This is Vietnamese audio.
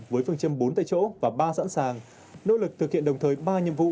với phương châm bốn tại chỗ và ba sẵn sàng nỗ lực thực hiện đồng thời ba nhiệm vụ